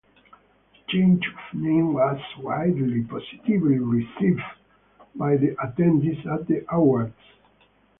The change of name was widely positively received by the attendees at the awards.